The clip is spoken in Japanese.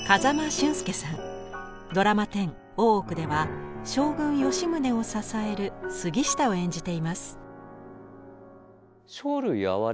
ドラマ１０「大奥」では将軍吉宗を支える杉下を演じています。